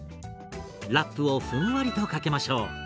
ラップをふんわりとかけましょう。